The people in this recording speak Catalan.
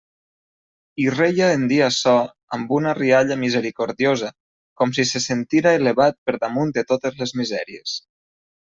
I reia en dir açò amb una rialla misericordiosa, com si se sentira elevat per damunt de totes les misèries.